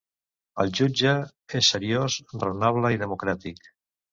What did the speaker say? El jutge és seriós, raonable i democràtic.